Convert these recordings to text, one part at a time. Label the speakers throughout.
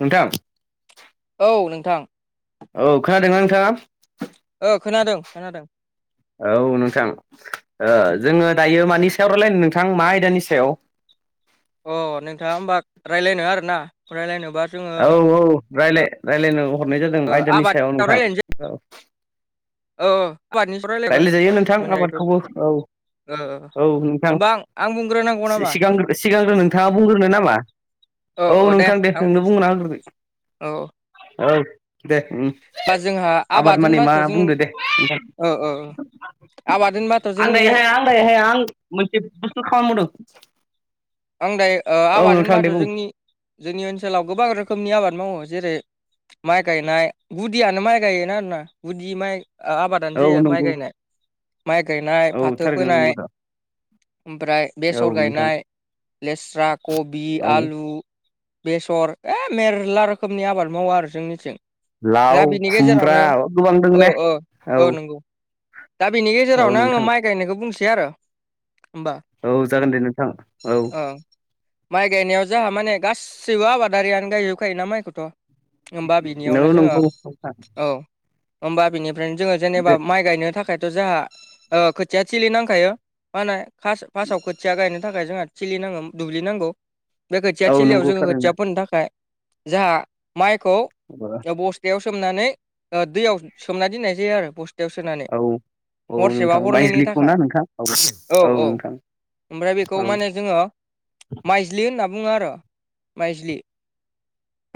Speaker 1: नोंथां
Speaker 2: औ नोंथां
Speaker 1: औ खोनादोंना नोंथाङा?
Speaker 2: औ खोनादों खोनादों।
Speaker 1: औ नोंथां जोङो दायो मानि सायाव रायलाय नोंथां मा आयदानि सायाव।
Speaker 2: अ नोंथाङा होमबा रायज्लायनो आर ना रायजलायनोबा
Speaker 1: औ औ राय्लाय रायज्लायनो हरनाय जादों
Speaker 2: ओ
Speaker 1: आयदानि
Speaker 2: आबादनि
Speaker 1: सायाव नोंथां
Speaker 2: रायलायनोसै
Speaker 1: औ।
Speaker 2: औ गुवानि
Speaker 1: राय्लायजायो नोंथां आबादखौबो औ
Speaker 2: ओ
Speaker 1: औ नोंथां
Speaker 2: होमबा आं आं बुंग्रोनांगौ नामा
Speaker 1: सिगांग्रो सिगांग्रो नोंथाङा बुंग्रोनो नामा? औ नोंथां दे नोंनो बुंना होग्रोदो
Speaker 2: औ
Speaker 1: औ दे
Speaker 2: बा जोंहा
Speaker 1: आबाद मानिे मा बुंदो दे नोंथां।
Speaker 2: औ आबाद होनबाथ' जोंनि
Speaker 1: हाया हाया आं मोनसे बुस्थु खालामदों।
Speaker 2: आं दाय ओ आबाद
Speaker 1: नोंथां दे
Speaker 2: होनबाथ'
Speaker 1: बुं
Speaker 2: जोंनि जोंनि ओनसोलाव गोबां रोखोमनि आबाद मावो जेरै माइ गायनाय गुदियानो माइ गायोना आरोना गुदि माइ ओ आबादानो
Speaker 1: औ
Speaker 2: जायो माइ
Speaker 1: नंगौ
Speaker 2: गायनाय माइ गायनाय
Speaker 1: औ
Speaker 2: फाथो
Speaker 1: थारैनो नंगौ
Speaker 2: फोनाय।
Speaker 1: दा
Speaker 2: ओमफ्राय
Speaker 1: औ
Speaker 2: बेसर
Speaker 1: नोंथां
Speaker 2: गायनाय लेस्रा कबि
Speaker 1: औ
Speaker 2: आलु बेसर ए मेरला रोखोमनि आबाद मावो आरो जोंनिथिं।
Speaker 1: लाव
Speaker 2: दा बिनि
Speaker 1: खुमब्रा
Speaker 2: गेजेरावनो
Speaker 1: गोबां दङ ने
Speaker 2: औ औ औ नंगौ दा बेनि
Speaker 1: औ
Speaker 2: गेजेरावनो आंङो
Speaker 1: नोंथां
Speaker 2: माइ गायनायखौ बुंसै आरो होमबा
Speaker 1: औ जागोन दे नोंथां औ
Speaker 2: औ माइ गायनायाव जोंहा माने गासैबो आबादारियानो गायजोब खायोना माइखौथ' होमबा बिनियावनो जोंङो
Speaker 1: नंगौ नोंथां
Speaker 2: औ होमबा बिनिफ्रायनो जोंङो जेनेबा माइ गायनो थाखाय जोंहा खोथिया थिलि नांखायो मा होनो फार्स्टआव खोथिया गायनो थाखाय जोंहा थिलि नांगौ दुब्लि नांगौ बे खोथिया
Speaker 1: औ
Speaker 2: थिलियाव
Speaker 1: नंगौ
Speaker 2: जोंङो
Speaker 1: थारैनो
Speaker 2: खोथिया फोननो थाखाय जोंहा माइखौ
Speaker 1: [unintelligible]
Speaker 2: बस्थायाव सोमोननानै दैयाव सोमनानै दोननाय जायो आरो बस्थायाव सोनानै
Speaker 1: औ
Speaker 2: हरसेबा
Speaker 1: नोंथां
Speaker 2: हरनैनि
Speaker 1: बायज्लिखौ ना
Speaker 2: थाखाय
Speaker 1: नोंथां औ
Speaker 2: औ औ
Speaker 1: नोंथां
Speaker 2: ओमफ्राय बेखौ
Speaker 1: औ
Speaker 2: माने जों आंङो माइज्लि होनना बुंङो आरो माइज्लि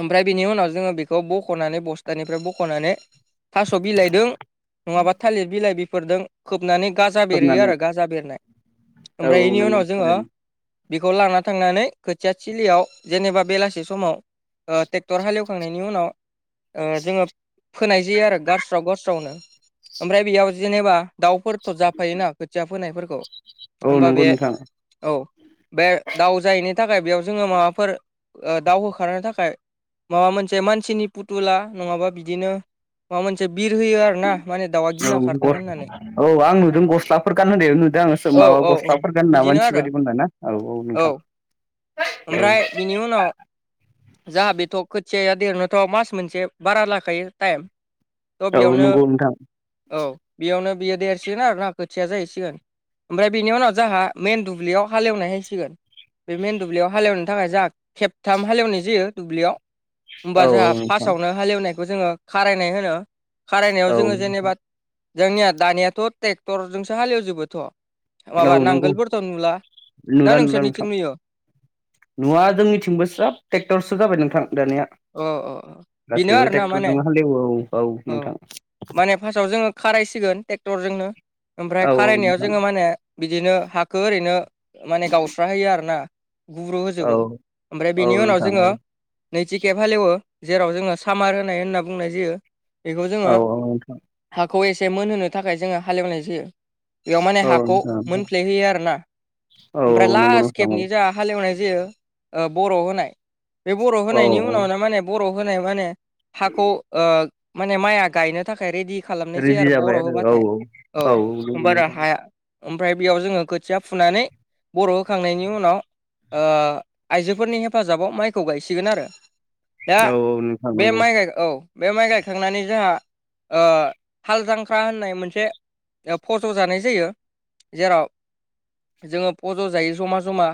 Speaker 2: ओमफ्राय बिनि उनाव जोंङो बेखौ बख'नानै बस्थानिफ्राय बख'नानै थास' बिलाइजों नंङाबा थालिर बिलाइ बिफोरदों खोबनानै गाजा बेरहोयो
Speaker 1: खोबनानै
Speaker 2: आरो गाजा बेरनाय
Speaker 1: औ
Speaker 2: ओमफ्राय
Speaker 1: औ
Speaker 2: बेनि
Speaker 1: नंगौ
Speaker 2: उनाव जोंङो
Speaker 1: थारैनो
Speaker 2: बेखौ लाना थांनानै खोथिया सिलियाव जेनेबा बेलासि समाव ट्रेक्टर हालेवखांनायनि उनाव जोंङो फोनाय जायो आरो गारस्राव गस्रावनो ओमफ्राय बेयाव जेनेबा दाउफोर खथ' जाफायोना खोथिया फोनायफोरखौ
Speaker 1: औ
Speaker 2: होमबा
Speaker 1: नंगौ
Speaker 2: बे
Speaker 1: नोंथां
Speaker 2: औ बे दााव जायैनि थाखाय बेयाव जोंङो माबाफोर दाउ होखारनो थाखाय माबा मोनसे मानसिनि पुथुला नंङाबा बिदिनो माबा मोनसे बिर होयो आरोना बा गिना
Speaker 1: औ
Speaker 2: खार
Speaker 1: गस औ आं नुदों गस्लाफोर गानहोनायबो नुदों आंङो
Speaker 2: औ
Speaker 1: माबा
Speaker 2: औ औ
Speaker 1: गस्लाफोर गानो ना
Speaker 2: बिदिनो
Speaker 1: मानसि
Speaker 2: आरो
Speaker 1: बायदि बानायना ना औ
Speaker 2: औ
Speaker 1: नोंथां
Speaker 2: ओमफ्राय
Speaker 1: औ
Speaker 2: बिनि उनाव जाहा बेथ' खोथियाया देरनोथ' मास मोनसे बारा लाखायो टाइम थ'
Speaker 1: औ
Speaker 2: बेयावनो
Speaker 1: नंगौ नोंथां
Speaker 2: औ बेयावनो बियो देरसिगोन आरोना खोथिया जाहैसिगोन ओमफ्राय बेनि उनाव जोंहा मेन दुब्लियाव हालेवनाय हायसिगोन बे मेन दुब्लियाव हालेवनो थाखाय जोंहा खेबथाम हालेवनाय जायो दुब्लियाव
Speaker 1: औ
Speaker 2: होमबा
Speaker 1: औ
Speaker 2: जोंहा
Speaker 1: नोंथां
Speaker 2: फार्स्टावनो हालेवनायखौ जोंङो खारायनाय होनो खारायनायाव
Speaker 1: औ
Speaker 2: जोंङो
Speaker 1: नोंथां
Speaker 2: जेनेबा जोंनिया दानियाथ' ट्रेक्टरजोंसो हालेवजोबोथ' बाबा
Speaker 1: औ नंगौ
Speaker 2: नांगोलफोरथ नुला ना
Speaker 1: नुला नुला
Speaker 2: नोंसोरनिथिं
Speaker 1: नोंथां
Speaker 2: नुयो
Speaker 1: नुवा जोंनिथिंबो स्राब ट्रेक्टरसो जाबाय नोंथां दानिया
Speaker 2: अ अ बेनो
Speaker 1: गासैबो
Speaker 2: आरोना माने
Speaker 1: ट्रेक्टरजोंनो हालेवो औ नोंथां
Speaker 2: माने फार्स्टआव जोंङो खारायसिगोन ट्रेक्टरजोंनो ओमफ्राय
Speaker 1: औ
Speaker 2: खारायनायाव
Speaker 1: नोंथां
Speaker 2: जोंङो माने बिदिनो हाखौ ओरैनो माने गावस्रााहोयो आरोना गुब्रु
Speaker 1: औ
Speaker 2: होजोबो ओमफ्राय
Speaker 1: औ
Speaker 2: बेनि उनाव
Speaker 1: नोंथां औ
Speaker 2: जोंङो नैथि केेब हालेवो जेराव जोंङो सामार होनाय होनना बुंनाय जायो। बेखौ जोंङो
Speaker 1: औ औ नोंथां
Speaker 2: हाखौ एसे मोनहोनो थाखाय जोंङो हालेवनाय जायो। बेयाव माने
Speaker 1: औ
Speaker 2: हाखौ
Speaker 1: नोंथां नोंथां
Speaker 2: मोनफ्लेहोयो आरो ना
Speaker 1: औ
Speaker 2: ओमफ्राय
Speaker 1: औ नंगौ
Speaker 2: लास्ट
Speaker 1: नोंथां औ
Speaker 2: खेबनि जा हालेवनाय जायो। बर' होनाय बे बर'
Speaker 1: औ
Speaker 2: होनायनि उनाव
Speaker 1: औ
Speaker 2: बर' होनाय माने हाखौ माने माइया गायनो थाखाय रेदि खालामनाय जायो
Speaker 1: रेडि
Speaker 2: आरो
Speaker 1: जाबाय
Speaker 2: बर'
Speaker 1: आरो औ
Speaker 2: होबाथाय औ
Speaker 1: नंगौ
Speaker 2: होमबाना
Speaker 1: नोंथां
Speaker 2: हाया ओमफ्राय बेयाव जोंङो खोथिया फुनानै बर' होखांनायनि उनाव आइजोफोरनि हेफाजाबाव माइखौ गायसिगोन आरो दा
Speaker 1: औ औ नोंथां
Speaker 2: बे
Speaker 1: नंगौ
Speaker 2: माइ गाय औ बे माइ गायखांनानै जोंहा हाल जांख्रा होननाय मोनसे फज' जानाय जायो जेराव जोंङो फज' जायो जमा जमा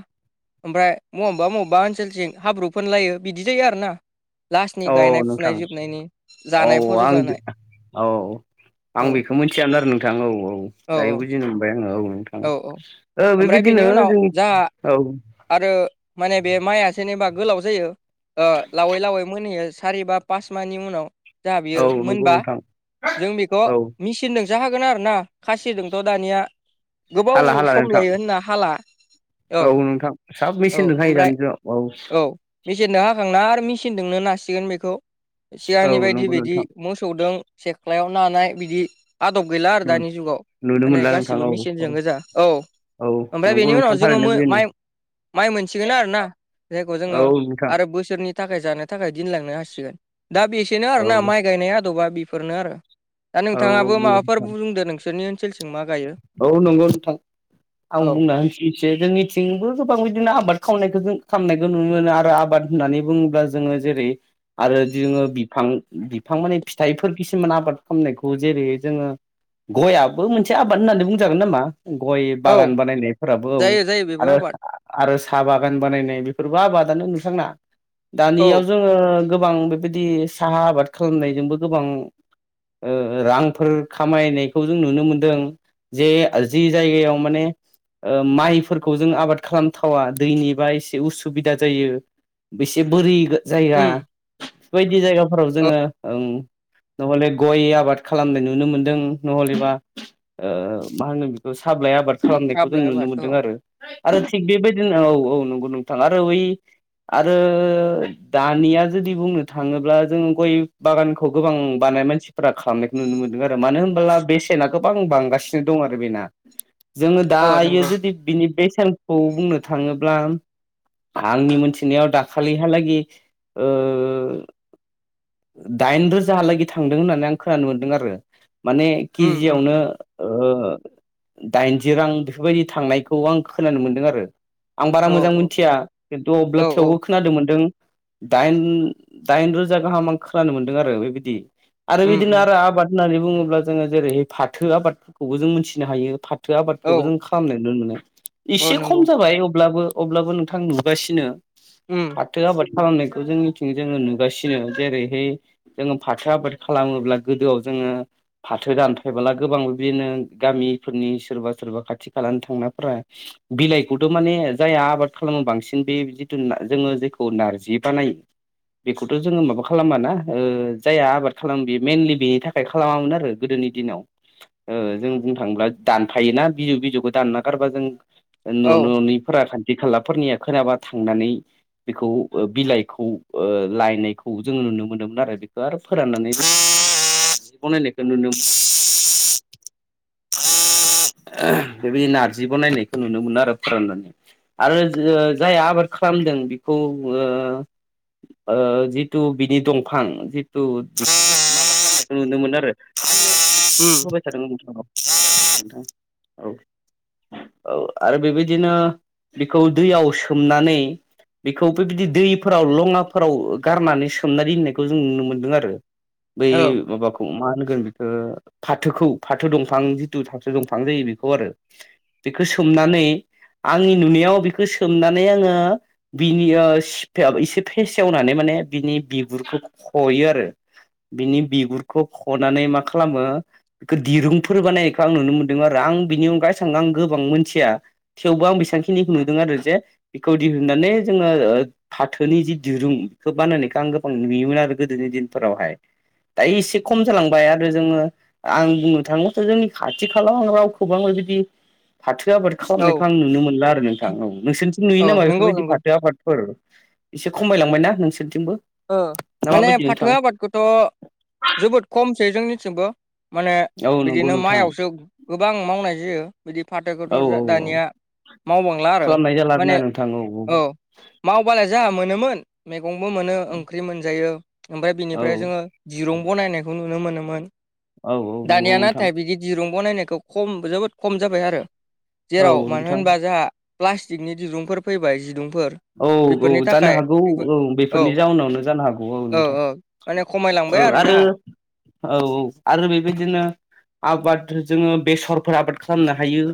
Speaker 2: ओमफ्राय मबावबा मबावबा ओनसोलजों हाब्रु फोनलायो बिदि जायो आरोना।
Speaker 1: औ नोंथां औ
Speaker 2: जानाय फज'
Speaker 1: आं
Speaker 2: जानाय
Speaker 1: औ। आं
Speaker 2: औ
Speaker 1: बेखौ मिथियामोन आरो नोंथां औ औ दायो बुजिनो मोनबाय आङो औ नोंथां। औ
Speaker 2: ओमफ्राय
Speaker 1: बेबायदिनो
Speaker 2: बेनि उनाव
Speaker 1: जोंनि
Speaker 2: जाहा
Speaker 1: औ।
Speaker 2: आरो माने बे माइआ जेनेबा गोलाव जायो। लावै लावै मोनहैयो सारि बा पास मानि उनाव। जोंहा बियो
Speaker 1: औ नंगौ
Speaker 2: मोनबा
Speaker 1: नोंथां
Speaker 2: जों बेखौ
Speaker 1: औ
Speaker 2: मिसि नदोंसो हागोन आरो ना खासिजोंथ' दानिया गोबाव
Speaker 1: हाला हाला
Speaker 2: सम
Speaker 1: नोंथां
Speaker 2: लायो होनना हाला
Speaker 1: औ नोंथां सोब
Speaker 2: औ
Speaker 1: मेसिन दों हायो
Speaker 2: ओमफ्राय
Speaker 1: दानि जुगाव औ
Speaker 2: मेचिनजों हाखांना आरो मेसिनजोंनो नासिगोन बेखौ
Speaker 1: औ
Speaker 2: सिगांनि
Speaker 1: नंगौ
Speaker 2: बायदि
Speaker 1: नोंथां
Speaker 2: मोसौदों। सेख्लायाव नानाय बिदि आदब गैला आरो दानि जुगाव
Speaker 1: नुनो
Speaker 2: माने
Speaker 1: मोनला नोंथां
Speaker 2: गासिबो
Speaker 1: औ
Speaker 2: मिसि
Speaker 1: औ
Speaker 2: जों गोजा औ
Speaker 1: औ
Speaker 2: ओमफ्राय
Speaker 1: नंगौ
Speaker 2: बेनि उनाव
Speaker 1: नोंथां
Speaker 2: जोङो
Speaker 1: थारैनो बेनो
Speaker 2: माइ माइ मोनसिगोना आरो ना जायखौ जोङो
Speaker 1: औ नोंथां
Speaker 2: आरो बोसोरनि थाखाय जानो थाखाय दिनलांनो हासिगोन दा बेसेनो आरो
Speaker 1: औ
Speaker 2: ना माइ गायनाय आदबा बेफोरनो आरो दा
Speaker 1: औ
Speaker 2: नोंथाङाबो
Speaker 1: नंगौ
Speaker 2: माबाफोर
Speaker 1: नोंथां
Speaker 2: बुंदो नोंसोरनि ओनसोलजों मा गायो।
Speaker 1: औ नंगौ नोंथां आं
Speaker 2: औ
Speaker 1: बुंना होनसै एसे जोंनिथिंबो गोबां बिदिनो आबाद खावनायखौ जों खालामनायखौ नुनो मोनो आरो आबाद होननानै बुङोब्ला जोङो जेरै आरो जोङो बिफां बिफां माने फिथाइफोर खिसुमान आबाद खालामनायखौ जेरै जोङो गयाबो मोनसे आबाद होननानै बुंजागोन नामा गय
Speaker 2: औ
Speaker 1: बागान बानायनायफोराबो औ
Speaker 2: जायो जायो बेबो
Speaker 1: आरो।
Speaker 2: आबाद
Speaker 1: आरो साहा बागान बानायनाय बेफोरबो आबादानो नुस्रांना
Speaker 2: औ
Speaker 1: दानियाव जों गोबां बेबायदि साहा आबाद खालामनायजोंबो गोबां रांफोर खामायनायखौ जों नुनो मोनदों। जे जि जायगायाव माने माइफोरखौ जों आबाद खालामथावा दैनिबा एसे उसुबिदा जायो। बेसे बोरि जायगा
Speaker 2: उम
Speaker 1: बेबायदि जायगाफोराव
Speaker 2: औ
Speaker 1: जोङो नहल गय आबाद खालामनाय नुनो मोनदों नहलेबा। मा होनो बेखौ साबलाइ आबाद
Speaker 2: साहा
Speaker 1: खालामनायखौ जों
Speaker 2: बिलाइ
Speaker 1: नुनो
Speaker 2: आबाद
Speaker 1: मोन्दों
Speaker 2: औ
Speaker 1: आरो आरो थिग बेबायदिनो औ औ नंगौ नोंथां आरो ओइ आरो दानिया जुदि बुंनो थाङोब्ला जोङो गय बागानखौ गोबां बानाय मानसि खालामनायखौ नुनो मोन्दों आरो मानो होनबोला बेसेनाखौबो आं बां गासिनो दं आरो बेना जोङो
Speaker 2: औ
Speaker 1: दायो
Speaker 2: नंगौ
Speaker 1: जुदि बिनि बेसेन खौ बुंनो थाङोब्ला आंनि मोनथिनायाव दाखालिहालागि ओ दाइन रोजालागि थांदों होननानै आं खोनानो मोनदों आरो माने
Speaker 2: उम उम
Speaker 1: केजियावनो
Speaker 2: उम
Speaker 1: दाइनजि रां बेफोरबायदि थांनायखौ आं खोनानो मोनदों आरो आं बारा
Speaker 2: औ
Speaker 1: मोजां मोनथिया खिन्थु अब्ला
Speaker 2: औ औ
Speaker 1: थेवबो खोनादों मोनदों दाइन दाइन रोजा गाहाम आं खोनानो मोनदों आरो बेबायदि आरो
Speaker 2: उम
Speaker 1: बिदिनो
Speaker 2: उम
Speaker 1: आरो आबाद होननानै बुङोब्ला जोङो जेरैहाय फाथो आबादफोरखौबो जों मोनथिनो हायो फो फाथो
Speaker 2: औ
Speaker 1: आबादखौबो जों खालामनाय नुनो मोनो
Speaker 2: औ
Speaker 1: एसे
Speaker 2: नंगौ
Speaker 1: खम जाबाय अब्लाबो अब्लाबो नोंथां नुगासिनो
Speaker 2: उम।
Speaker 1: फाथो आबाद खालामनायखौ जोंनिथिं जोङो नुगासिनो जेरैहाय जोङो फाथो आबाद खालामोब्ला गोदोआव जोङो फाथो दानफायबोला गोबां बिदिनो गामिफोरनि सोरबा सोरबा खाथि खालानि थांनाफोरा बिलाइखौथ' माने जायहा आबाद खालामो बांसिन बे जिथु जोङो जेखौ नारजि बानायो। बेखौथ' जोङो माबा खालामाना जायहा आबाद खालामो बेयो मेनलि बेनि थाखाय फाय खालामामोन आरो गोदोनि दिनाव ओ जों बुंनो थाङोब्ला दानफायोना बिजौ बिजौखौ दानना गारबा जों न'
Speaker 2: औ
Speaker 1: न'निफोरा खाान्थि खालाफोरनिया खोनाबा थांनानै बिखौ बिलाइखौ ओ लायनायखौ जोङो नुनो मोनोमोन आरो बेखौ आरो फोराननानैबो जि बनायनायखौ नुनो मोनो बेबायदि नारजि बनायनायखौ नुनो मोनो आरो फोराननानै आरो ओ जाय आबाद खालामदों बेखौ ओ जिथु बिनि दंफां जिथु नुनो मोन आरो
Speaker 2: उम
Speaker 1: होबाय नोंथां औ औ आरो बेबायदिनो बेखौ दैयाव सोमनानै बेखौ बेबायदि दैफोराव लङाफोराव गारनानै सोमनानै दोननायखौ जों नुनो मोन्दों आरो बै
Speaker 2: औ
Speaker 1: माबाखौ मा होनगोन बेखौ फाथोखौ फाथो दंफां जिथु थ'थो दंफां जायो बेखौ आरो बेखौ सोमनानै आंनि नुनायाव बेखौ सोमनानै आङो बिनि ओ इसे फेसेवनानै माने बिनि बिगुरखौ खयो आरो बिनि बिगुरखौ खनानै मा खालामो बेखौ दिरुंफोर बानायनायखौ आं नुनो मोन्दों आरो आं बिनि अनगायै स आं गोबां मोनथिया थेवबो आं बेसेबांखिनि नुदों आरो जे बेखौ दिहुननानै जोङो फाथोनि जि दिरुं बेखौ बानायनायखौ आं गोबां नुयोमोन आरो गोदोनि दिनफोरावहाय दायो एसे खम जालांबाय आरो जोङो आं बुंनो थाङोबाथ' जोंनि खाथि खालााव आं रावखौबो आं बिदि फाथो आबाद
Speaker 2: औ
Speaker 1: खालामनायखौ आं नुनो मोनला आरो नोंथां औ नोंसोरथिं नुयो
Speaker 2: औ
Speaker 1: नामा
Speaker 2: नंगौ
Speaker 1: बेफोरबायदि
Speaker 2: नंगौ
Speaker 1: फाथो आफाद फोर एसे खमायलांबायना नोंसोरथिंबो
Speaker 2: ओ
Speaker 1: ना
Speaker 2: माने
Speaker 1: माबायदि
Speaker 2: फाथो
Speaker 1: नोंथां
Speaker 2: आबादखौथ' जोबोद खमसै जोंनिथिंबो माने
Speaker 1: औ नंगौ
Speaker 2: बिदिनो
Speaker 1: नोंथां
Speaker 2: माइआवसो गोबां मावनाय जायो बिदि
Speaker 1: औ
Speaker 2: फाथोखौथ'
Speaker 1: औ
Speaker 2: जा
Speaker 1: औ
Speaker 2: दानिया मावबांला आरो
Speaker 1: खालामनाय जाला आरोना
Speaker 2: माने
Speaker 1: नोंथां
Speaker 2: औ मावबालाय जोंहा मोनोमोन मैगंबो मोनो ओंख्रि मोनजायो ओमफ्राय
Speaker 1: औ
Speaker 2: बिनिफ्राय जोङो दिरुं बनायनायखौ नुनो मोनोमोन
Speaker 1: औ औ नंगौ
Speaker 2: दानिया
Speaker 1: नोंथां
Speaker 2: नाथाय बिदि दिरुं बनायनायखौ खम जोबोद खम जाबाय आरो
Speaker 1: औ
Speaker 2: जेराव मानो
Speaker 1: नोंथां
Speaker 2: होनबा जोंहा प्लास्टिकनि दिरुंफोर फैबाय जिदुंफोर
Speaker 1: औ औ
Speaker 2: बेफोरनि
Speaker 1: जानो
Speaker 2: थाखाय
Speaker 1: हागौ
Speaker 2: बेफोर
Speaker 1: औ बेफोरनि जाउनावनो जानो हागौ औ नंगौ नोंथां औ आरो औ औ आरो बेबायदिनो आबाद जोङो बेसरफोर आबाद खालामनो हायो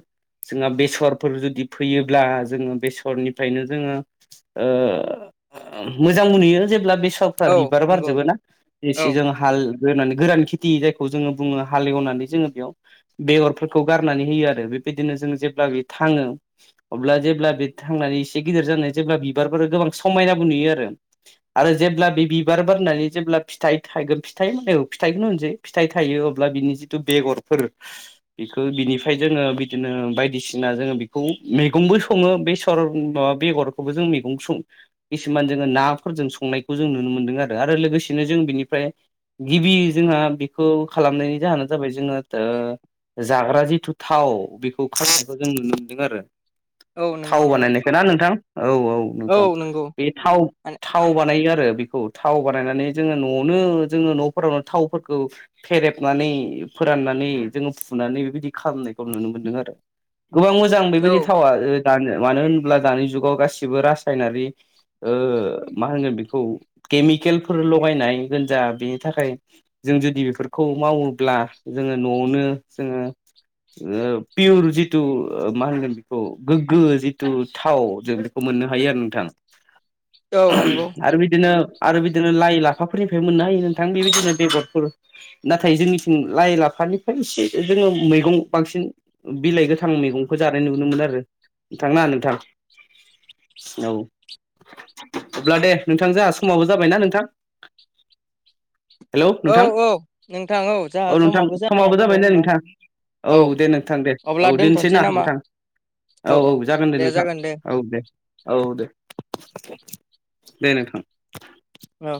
Speaker 1: जोंहा बेसरफोर जुदि फैयोब्ला जोङो बेसरनिफ्रायनो जोङो ओ मोजांबो नुयो जेब्ला बे फिसावफ्रा
Speaker 2: औ
Speaker 1: बिबार
Speaker 2: नंगौ
Speaker 1: बारजोबोना एसे
Speaker 2: औ
Speaker 1: जों हाल बेनानै गोरान खेथि जायखौ जोङो बुङो हाल एवनानै जोङो बेयाव बेगरफोरखौ गारनानै होयो आरो बेबायदिनो जों जेब्ला बे थाङो अब्ला जेब्ला बे थांनानै एसे गिदिर जानानै जेब्ला बिबारफोर गोबां समायनाबो नुयो आरो आरो जेब्ला बे बिबार बारनानै जेब्ला फिथाइ थागोन फिथाइ औ फिथाइखौनो होनसै फिथाइ थायो अब्ला बिनि जिथु बेगरफोर बेखौ बिनिफ्राय जोङो बिदिनो बायदिसिना जोङो बेखौ मैगंबो सङो बे सर बेगरखौबो जों मैगं सं किसुमान जोङो नाफोरजों संनायखौ जों नुनो मोनदों आरो आरो लोगोसेनो जों बिनिफ्राय गिबि जोंहा बेखौ खालामनायनि जाहोनानो जाबाय जोङो ओ जाग्रा जिथु थाव बेखौ खारखौ जों नुनो मोनदों आरो
Speaker 2: औ
Speaker 1: थाव
Speaker 2: नंगौ नंगौ
Speaker 1: बानायनायखौ ना नोंथां औ औ नोंथां बे थाव
Speaker 2: माने
Speaker 1: थाव बानायो आरो बेखौ थाव बानायनानै जोङो न'आवनो जोङो न'फोरावनो थावफोरखौ फेरेबनानै फोराननानै जोङो फुनानै बेबायदि खालामनायखौ नुनो मोनदों आरो गोबां मोजां
Speaker 2: औ
Speaker 1: बेबायदि थावा दानो मानो होनोब्ला दानि जुगाव गासिबो रासायनारि ओ मा होनगोन बेखौ केमिकेलफोर लगायनाय गोनजा बेनि थाखाय जों जुदि बेफोरखौ मावोब्ला जोङो न'आवनो जोङो ओ पियर जिथु मा होनगोन बेखौ गोग्गो जिथु थाव जों खौ मोननो हायो आरो नोंथां
Speaker 2: औ नंगौ
Speaker 1: आरो बिदिनो आरो बिदिनो लाइ लाफाफोरनिफ्राय मोननो हायो नोंथां बेबायदिनो बेगरफोर नाथाय जोंनिथिं लाइ लाफानिफ्राय एसे जोङो मैगं बांसिन बिलाइ गोथां मैगंखौ जानाय नुनोमोन आरो नोंथांना नोंथां औ अब्ला दे नोंथां जोंहा समावबो जाबायना नोंथां हेलौ
Speaker 2: औ
Speaker 1: नोंथां
Speaker 2: औ नोंथां जोंहा
Speaker 1: औ नोंथां
Speaker 2: जाना
Speaker 1: समाबो
Speaker 2: फैबाय
Speaker 1: जाबाय नै
Speaker 2: होमबा
Speaker 1: नोंथां औ दे नोंथां दे
Speaker 2: अब्ला
Speaker 1: औ दोननोसै
Speaker 2: दोनथ'नोसै
Speaker 1: ना
Speaker 2: नामा
Speaker 1: नोंथां औ-औ जागोन दे नोंथां औ दे औ दे दे नोंथां
Speaker 2: औ